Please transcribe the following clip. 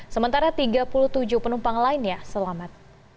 sementara tiga puluh tujuh penumpang lainnya selamat